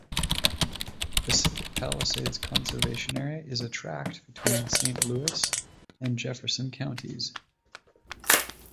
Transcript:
Pacific Palisades Conservation Area is a tract between Saint Louis and Jefferson counties.